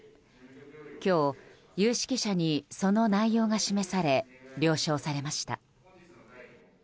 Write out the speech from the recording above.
今日、有識者にその内容が示され了承されました。